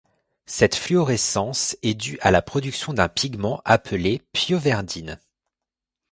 Cette fluorescence est due à la production d'un pigment appelé pyoverdine.